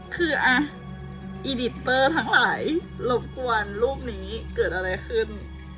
คืออีดิตเตอร์ทั้งหลายรบกวนรูปนี้เกิดอะไรขึ้น